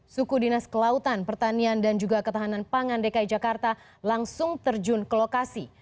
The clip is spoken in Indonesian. suku dinas kelautan pertanian dan juga ketahanan pangan dki jakarta langsung terjun ke lokasi